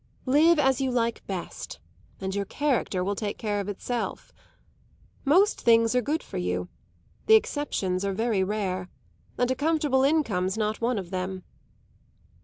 Live as you like best, and your character will take care of itself. Most things are good for you; the exceptions are very rare, and a comfortable income's not one of them."